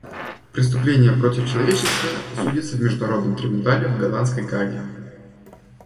Преступления против человечества судятся в Международном трибунале в голландской Гааге.